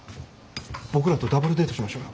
僕らとダブルデートしましょうよ。